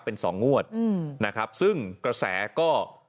เป็นสองงวดนะครับซึ่งกระแสก็